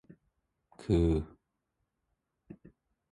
คือ